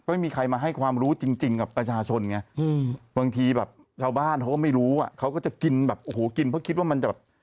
ไม่มีใครมาให้ความรู้จริงกับประชาชนไงบางทีแบบชาวบ้านเขาก็ไม่รู้อ่ะเขาก็จะกินแบบโอ้โหกินเพราะคิดว่ามันจะแบบ